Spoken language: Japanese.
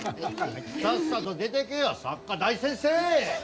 さっさと出てけよ作家大先生！